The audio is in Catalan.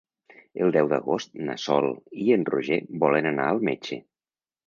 El deu d'agost na Sol i en Roger volen anar al metge.